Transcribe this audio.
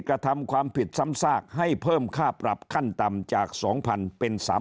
กระทำความผิดซ้ำซากให้เพิ่มค่าปรับขั้นต่ำจาก๒๐๐เป็น๓๐๐